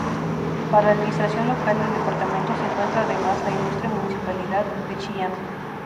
Para la administración local del departamento se encuentra, además, la Ilustre Municipalidad de Chillán.